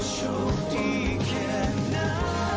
โชคดีแค่ไหน